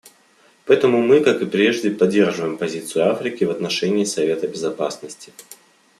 Поэтому мы, как и прежде, поддерживаем позицию Африки в отношении Совета Безопасности.